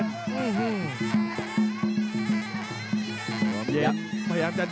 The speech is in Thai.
ต้องบอกว่าการชกกังวันเนี่ยหลายคนไม่ชอบครับ